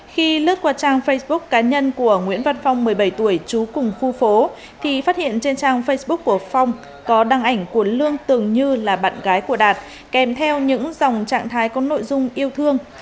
khi lướt qua trang facebook cá nhân của nguyễn văn phong một mươi bảy tuổi trú cùng khu phố thì phát hiện trên trang facebook của phong có đăng ảnh của lương tưởng như là bạn gái của đạt kèm theo những dòng trạng thái có nội dung yêu thương